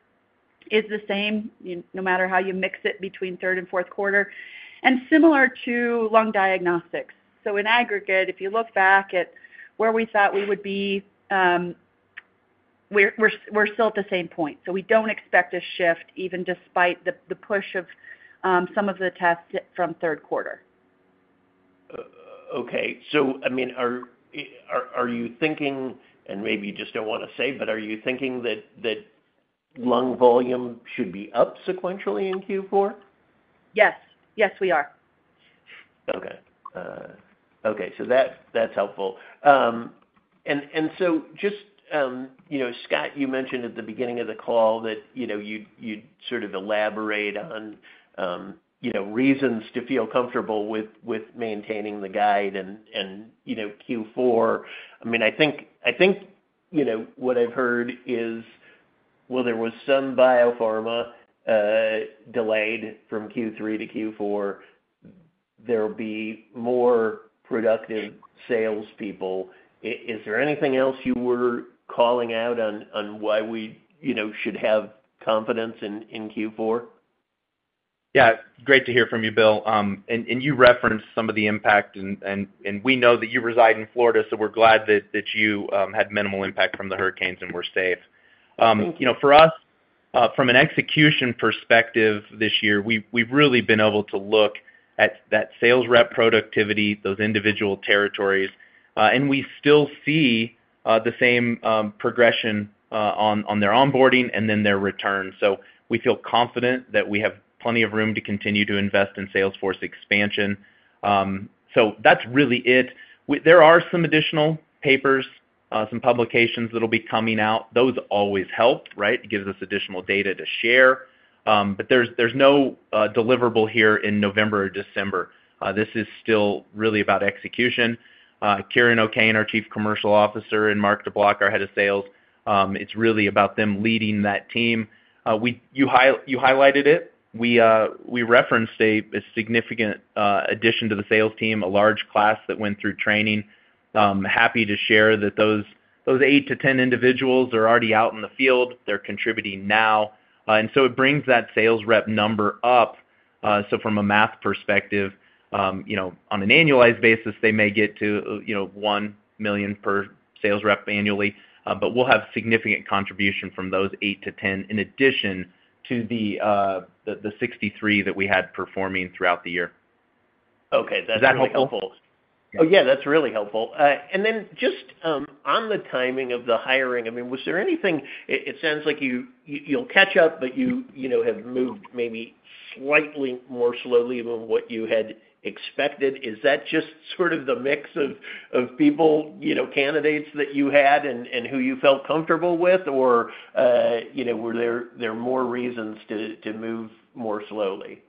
Speaker 4: is the same no matter how you mix it between third and fourth quarter and similar to lung diagnostics. So in aggregate, if you look back at where we thought we would be, we're still at the same point. So we don't expect a shift even despite the push of some of the tests from third quarter.
Speaker 9: Okay. So I mean, are you thinking, and maybe you just don't want to say, but are you thinking that lung volume should be up sequentially in Q4?
Speaker 4: Yes. Yes, we are.
Speaker 9: Okay. So that's helpful. And so just Scott, you mentioned at the beginning of the call that you'd sort of elaborate on reasons to feel comfortable with maintaining the guide and Q4. I mean, I think what I've heard is, well, there was some biopharma delayed from Q3 to Q4. There'll be more productive salespeople. Is there anything else you were calling out on why we should have confidence in Q4?
Speaker 3: Yeah. Great to hear from you, Bill, and you referenced some of the impact, and we know that you reside in Florida, so we're glad that you had minimal impact from the hurricanes and were safe. For us, from an execution perspective this year, we've really been able to look at that sales rep productivity, those individual territories, and we still see the same progression on their onboarding and then their return. So we feel confident that we have plenty of room to continue to invest in sales force expansion, so that's really it. There are some additional papers, some publications that'll be coming out. Those always help, right? It gives us additional data to share, but there's no deliverable here in November or December. This is still really about execution. Kieran O'Kane, our Chief Commercial Officer, and Mark DeBlock, our Head of Sales, it's really about them leading that team. You highlighted it. We referenced a significant addition to the sales team, a large class that went through training. Happy to share that those 8 to 10 individuals are already out in the field. They're contributing now. And so it brings that sales rep number up. So from a math perspective, on an annualized basis, they may get to $1 million per sales rep annually. But we'll have significant contribution from those 8 to 10 in addition to the 63 that we had performing throughout the year.
Speaker 9: Okay. That's helpful.
Speaker 3: Is that helpful?
Speaker 9: Oh, yeah. That's really helpful. And then just on the timing of the hiring, I mean, was there anything. It sounds like you'll catch up, but you have moved maybe slightly more slowly than what you had expected. Is that just sort of the mix of people, candidates that you had and who you felt comfortable with? Or were there more reasons to move more slowly?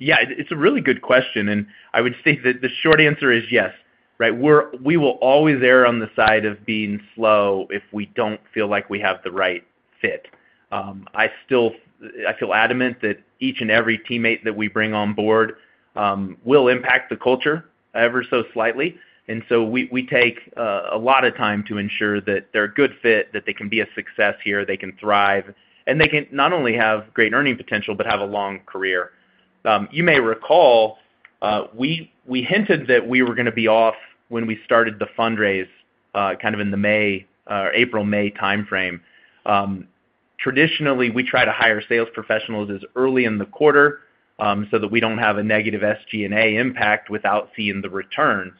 Speaker 3: Yeah. It's a really good question, and I would say that the short answer is yes, right? We will always err on the side of being slow if we don't feel like we have the right fit. I feel adamant that each and every teammate that we bring on board will impact the culture ever so slightly, and so we take a lot of time to ensure that they're a good fit, that they can be a success here, they can thrive, and they can not only have great earning potential but have a long career. You may recall we hinted that we were going to be off when we started the fundraise kind of in the May or April, May timeframe. Traditionally, we try to hire sales professionals as early in the quarter so that we don't have a negative SG&A impact without seeing the return.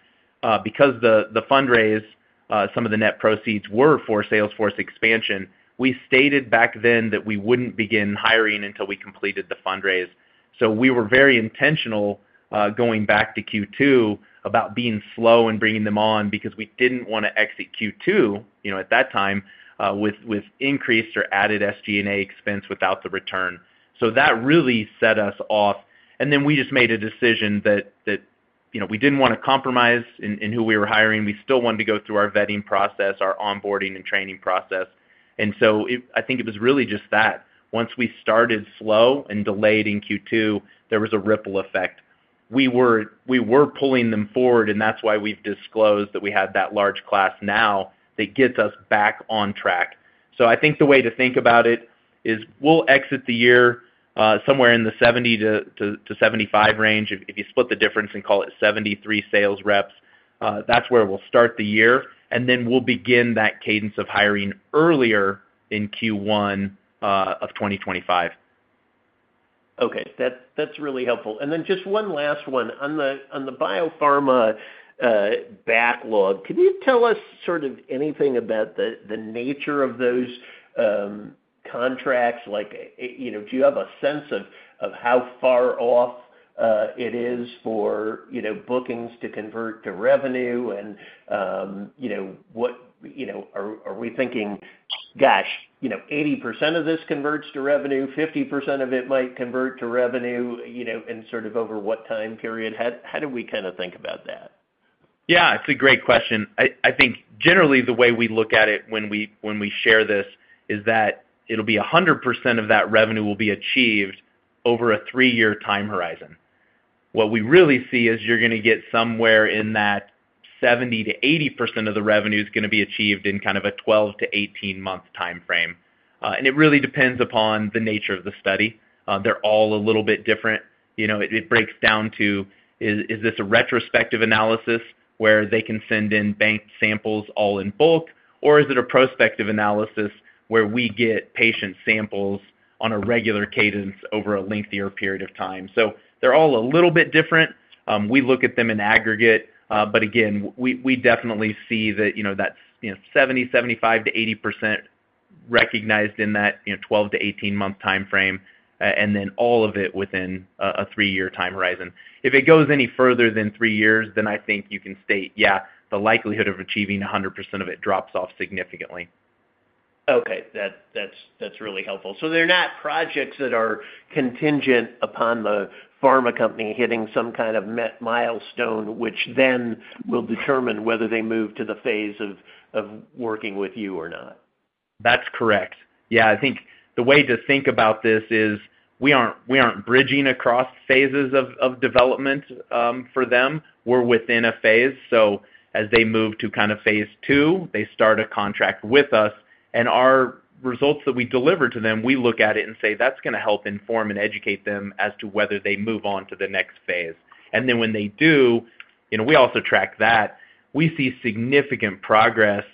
Speaker 3: Because the fundraise, some of the net proceeds were for sales force expansion, we stated back then that we wouldn't begin hiring until we completed the fundraise, so we were very intentional going back to Q2 about being slow in bringing them on because we didn't want to exit Q2 at that time with increased or added SG&A expense without the return, so that really set us off, and then we just made a decision that we didn't want to compromise in who we were hiring. We still wanted to go through our vetting process, our onboarding and training process, and so I think it was really just that. Once we started slow and delayed in Q2, there was a ripple effect, we were pulling them forward, and that's why we've disclosed that we have that large class now that gets us back on track. I think the way to think about it is we'll exit the year somewhere in the 70-75 range. If you split the difference and call it 73 sales reps, that's where we'll start the year. Then we'll begin that cadence of hiring earlier in Q1 of 2025.
Speaker 9: Okay. That's really helpful. And then just one last one. On the biopharma backlog, can you tell us sort of anything about the nature of those contracts? Do you have a sense of how far off it is for bookings to convert to revenue? And are we thinking, "Gosh, 80% of this converts to revenue, 50% of it might convert to revenue," and sort of over what time period? How do we kind of think about that?
Speaker 3: Yeah. It's a great question. I think generally the way we look at it when we share this is that it'll be 100% of that revenue will be achieved over a three-year time horizon. What we really see is you're going to get somewhere in that 70%-80% of the revenue is going to be achieved in kind of a 12- to 18-month timeframe, and it really depends upon the nature of the study. They're all a little bit different. It breaks down to, is this a retrospective analysis where they can send in banked samples all in bulk, or is this a prospective analysis where we get patient samples on a regular cadence over a lengthier period of time, so they're all a little bit different. We look at them in aggregate. But again, we definitely see that that's 70%-75% to 80% recognized in that 12- to 18-month timeframe, and then all of it within a three-year time horizon. If it goes any further than three years, then I think you can state, "Yeah, the likelihood of achieving 100% of it drops off significantly.
Speaker 9: Okay. That's really helpful. So they're not projects that are contingent upon the pharma company hitting some kind of milestone, which then will determine whether they move to the phase of working with you or not?
Speaker 3: That's correct. Yeah. I think the way to think about this is we aren't bridging across phases of development for them. We're within a phase. So as they move to kind of phase two, they start a contract with us. And our results that we deliver to them, we look at it and say, "That's going to help inform and educate them as to whether they move on to the next phase." And then when they do, we also track that. We see significant progress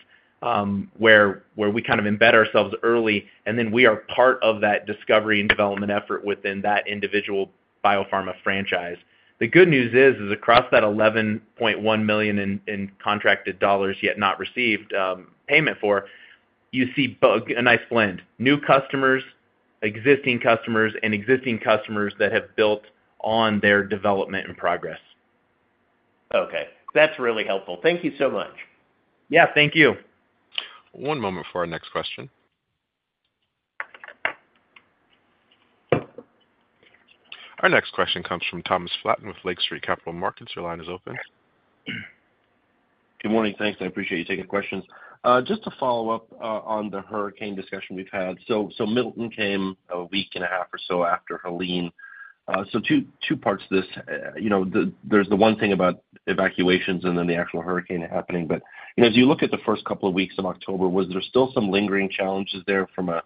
Speaker 3: where we kind of embed ourselves early, and then we are part of that discovery and development effort within that individual biopharma franchise. The good news is, is across that $11.1 million in contracted dollars yet not received payment for, you see a nice blend: new customers, existing customers, and existing customers that have built on their development and progress.
Speaker 9: Okay. That's really helpful. Thank you so much.
Speaker 3: Yeah. Thank you.
Speaker 1: One moment for our next question. Our next question comes from Thomas Flaten with Lake Street Capital Markets. Your line is open.
Speaker 10: Good morning. Thanks. I appreciate you taking questions. Just to follow up on the hurricane discussion we've had. So Milton came a week and a half or so after Helene. So two parts to this. There's the one thing about evacuations and then the actual hurricane happening. But as you look at the first couple of weeks of October, was there still some lingering challenges there from a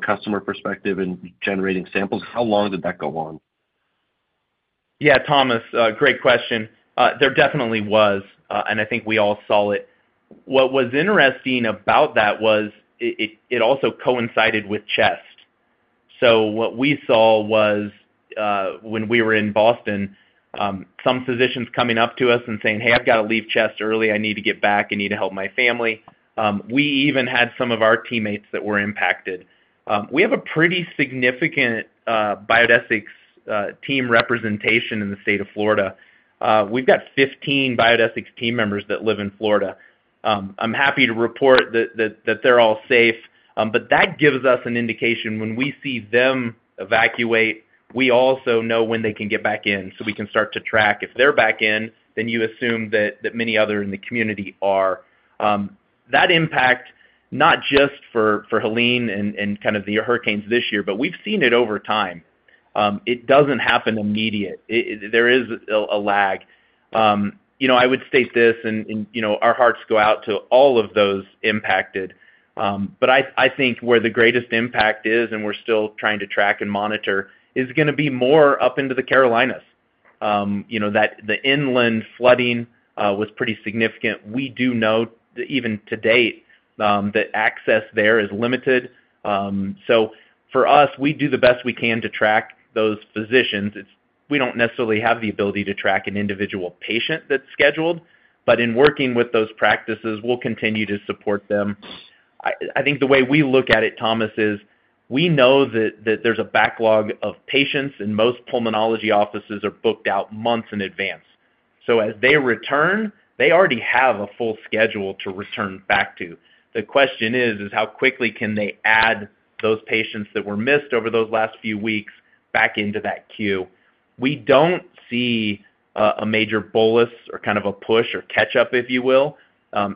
Speaker 10: customer perspective in generating samples? How long did that go on?
Speaker 3: Yeah, Thomas, great question. There definitely was, and I think we all saw it. What was interesting about that was it also coincided with CHEST, so what we saw was when we were in Boston, some physicians coming up to us and saying, "Hey, I've got to leave CHEST early. I need to get back. I need to help my family." We even had some of our teammates that were impacted. We have a pretty significant Biodesix team representation in the state of Florida. We've got 15 Biodesix team members that live in Florida. I'm happy to report that they're all safe, but that gives us an indication when we see them evacuate, we also know when they can get back in so we can start to track. If they're back in, then you assume that many others in the community are. That impact, not just for Helene and kind of the hurricanes this year, but we've seen it over time. It doesn't happen immediately. There is a lag. I would state this, and our hearts go out to all of those impacted. But I think where the greatest impact is, and we're still trying to track and monitor, is going to be more up into the Carolinas. The inland flooding was pretty significant. We do know even to date that access there is limited. So for us, we do the best we can to track those physicians. We don't necessarily have the ability to track an individual patient that's scheduled. But in working with those practices, we'll continue to support them. I think the way we look at it, Thomas, is we know that there's a backlog of patients, and most pulmonology offices are booked out months in advance. So as they return, they already have a full schedule to return back to. The question is, is how quickly can they add those patients that were missed over those last few weeks back into that queue? We don't see a major bolus or kind of a push or catch-up, if you will.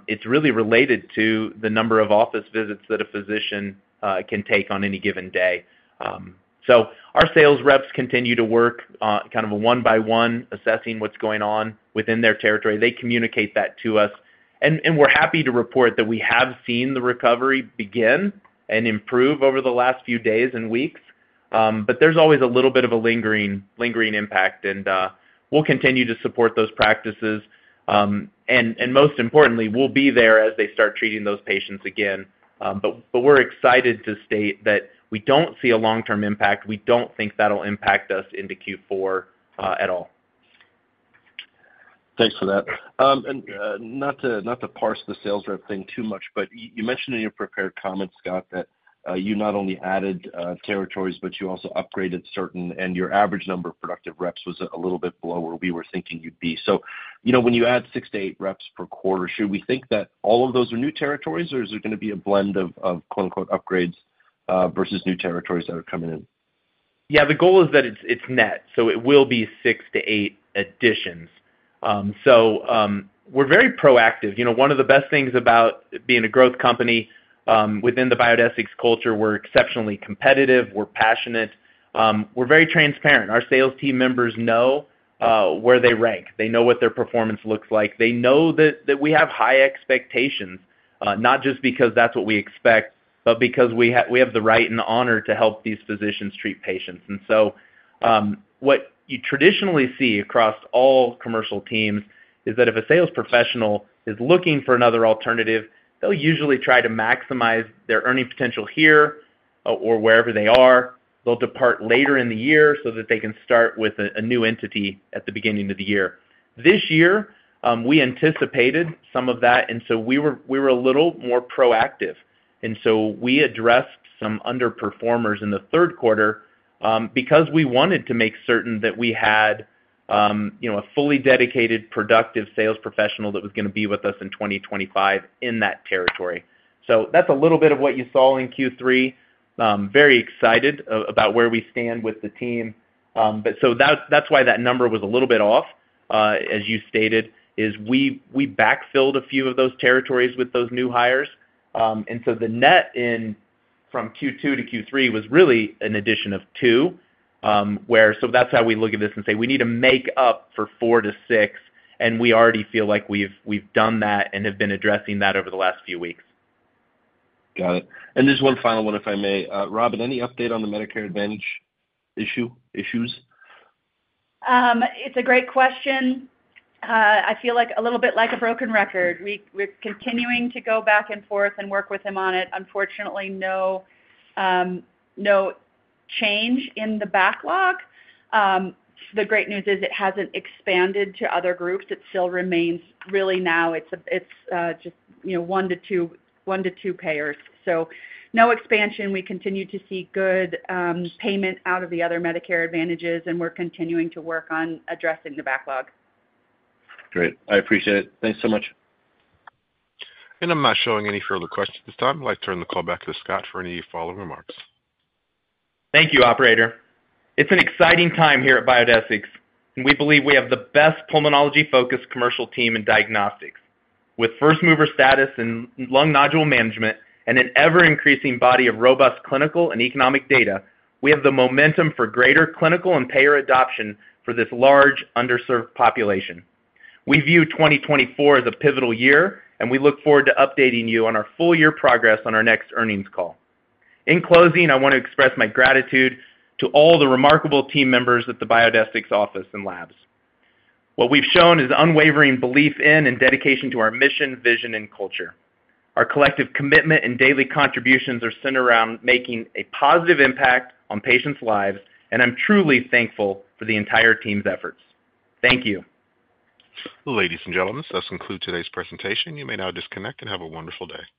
Speaker 3: It's really related to the number of office visits that a physician can take on any given day. So our sales reps continue to work kind of one by one, assessing what's going on within their territory. They communicate that to us. And we're happy to report that we have seen the recovery begin and improve over the last few days and weeks. But there's always a little bit of a lingering impact. And we'll continue to support those practices. And most importantly, we'll be there as they start treating those patients again. We're excited to state that we don't see a long-term impact. We don't think that'll impact us into Q4 at all.
Speaker 10: Thanks for that. And not to parse the sales rep thing too much, but you mentioned in your prepared comments, Scott, that you not only added territories, but you also upgraded certain, and your average number of productive reps was a little bit below where we were thinking you'd be. So when you add six-eight reps per quarter, should we think that all of those are new territories, or is there going to be a blend of "upgrades" versus new territories that are coming in?
Speaker 3: Yeah. The goal is that it's net. So it will be six to eight additions. So we're very proactive. One of the best things about being a growth company within the Biodesix culture, we're exceptionally competitive. We're passionate. We're very transparent. Our sales team members know where they rank. They know what their performance looks like. They know that we have high expectations, not just because that's what we expect, but because we have the right and honor to help these physicians treat patients. And so what you traditionally see across all commercial teams is that if a sales professional is looking for another alternative, they'll usually try to maximize their earning potential here or wherever they are. They'll depart later in the year so that they can start with a new entity at the beginning of the year. This year, we anticipated some of that. And so we were a little more proactive, and so we addressed some underperformers in the third quarter because we wanted to make certain that we had a fully dedicated, productive sales professional that was going to be with us in 2025 in that territory, so that's a little bit of what you saw in Q3. Very excited about where we stand with the team, but so that's why that number was a little bit off, as you stated, is we backfilled a few of those territories with those new hires, and so the net from Q2 to Q3 was really an addition of two, so that's how we look at this and say, "We need to make up for four to six," and we already feel like we've done that and have been addressing that over the last few weeks.
Speaker 10: Got it. And just one final one, if I may. Robin, any update on the Medicare Advantage issues?
Speaker 4: It's a great question. I feel like a little bit like a broken record. We're continuing to go back and forth and work with him on it. Unfortunately, no change in the backlog. The great news is it hasn't expanded to other groups. It still remains really now, it's just one to two payers. So no expansion. We continue to see good payment out of the other Medicare Advantages, and we're continuing to work on addressing the backlog.
Speaker 10: Great. I appreciate it. Thanks so much.
Speaker 1: I'm not showing any further questions at this time. I'd like to turn the call back to Scott for any follow-up remarks.
Speaker 3: Thank you, Operator. It's an exciting time here at Biodesix, and we believe we have the best pulmonology-focused commercial team in diagnostics. With first-mover status in lung nodule management and an ever-increasing body of robust clinical and economic data, we have the momentum for greater clinical and payer adoption for this large underserved population. We view 2024 as a pivotal year, and we look forward to updating you on our full-year progress on our next earnings call. In closing, I want to express my gratitude to all the remarkable team members at the Biodesix office and labs. What we've shown is unwavering belief in and dedication to our mission, vision, and culture. Our collective commitment and daily contributions are centered around making a positive impact on patients' lives, and I'm truly thankful for the entire team's efforts. Thank you.
Speaker 1: Ladies and gentlemen, this does conclude today's presentation. You may now disconnect and have a wonderful day.